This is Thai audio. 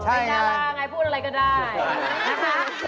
ใช่ไงเป็นดาราไงพูดอะไรก็ได้พูดอะไร